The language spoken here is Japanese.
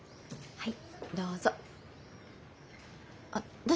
はい。